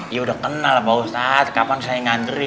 iya udah kenal pak ustadz kapan saya ngadri